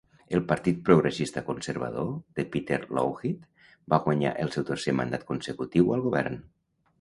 El Partit Progressista Conservador de Peter Lougheed va guanyar el seu tercer mandat consecutiu al govern.